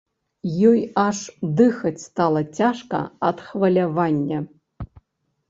Ёй аж дыхаць стала цяжка ад хвалявання.